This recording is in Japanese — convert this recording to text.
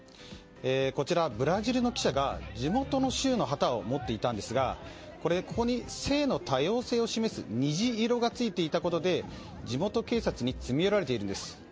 ブラジルの記者が地元の州の旗を持っていたんですがここに性の多様性を示す虹色がついていたことで地元警察に詰め寄られているんです。